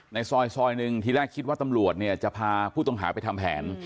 ในซอยหนึ่งทีแรกคิดว่าตำรวจเนี่ยจะพาผู้ต้องหาไปทำแผน